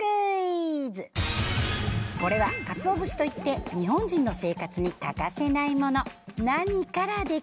これはカツオブシといって日本人の生活に欠かせないもの。